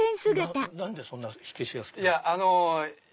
何でそんな火消しが好きなんですか？